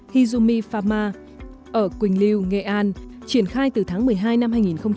hizumi pharma ở quỳnh lưu nghệ an triển khai từ tháng một mươi hai năm hai nghìn một mươi sáu